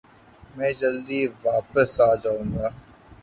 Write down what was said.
میں جلدی داپس آجاؤنگا ۔